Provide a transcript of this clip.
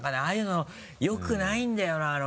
ああいうのよくないんだよな。